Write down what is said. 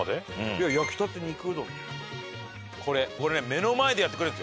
いや焼きたて肉うどんでしょ。